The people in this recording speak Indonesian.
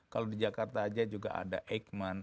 kalau di jakarta aja juga ada eijkman